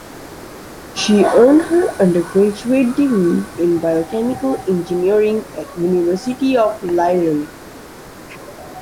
She earned her undergraduate degree in biomedical engineering at the University of Lyon.